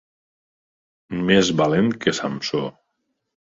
Més valent que Samsó.